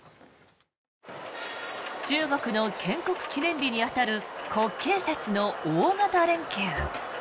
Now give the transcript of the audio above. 中国の建国記念日に当たる国慶節の大型連休。